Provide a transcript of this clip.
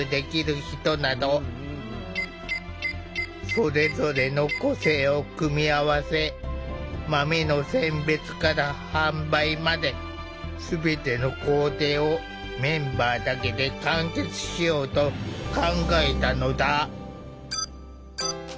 それぞれの個性を組み合わせ豆の選別から販売まで全ての工程をメンバーだけで完結しようと考えたのだ。